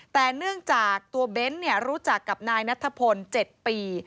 แต่เนื่องจากตัวเบ้นรู้จักกับนายนัทพล๗ปี